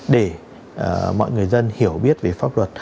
để mọi người dân hiểu biết về pháp luật